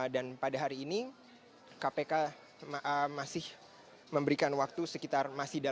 dan pada hari ini kpk masih